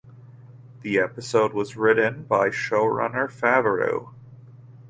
The episode was written by showrunner Favreau.